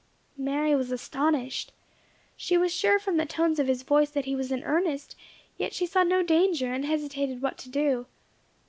Mary was astonished. She was sure from the tones of his voice that he was in earnest, yet she saw no danger, and hesitated what to do.